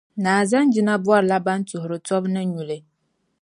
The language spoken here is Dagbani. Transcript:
Naa Zanjina bɔrila ban tuhiri tobu ni nyuli.